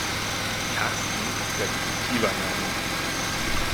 Karsten ist ein attraktiver Name.